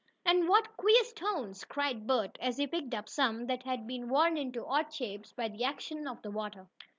"And what queer stones!" cried Bert, as he picked up some that had been worn into odd shapes by the action of the water.